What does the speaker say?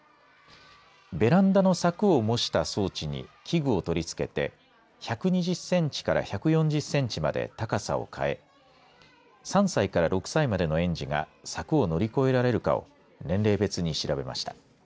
ベランダの柵を模した装置に器具を取り付けて１２０センチから１４０センチまで高さを変え３歳から６歳までの園児が柵を乗り越えられるかを年齢別に調べました。